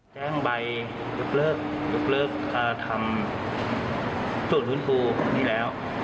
แจ้งใบลืบเลิกทำสูตรฟื้นฟูนี่แล้ว